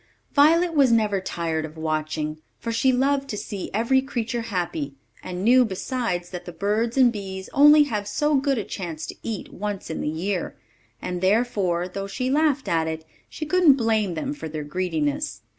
Violet was never tired of watching, for she loved to see every creature happy, and knew, besides, that the birds and bees only have so good a chance to eat once in the year; and therefore, though she laughed at it, she couldn't blame them for their greediness.